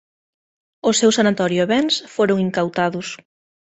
O seu sanatorio e bens foron incautados.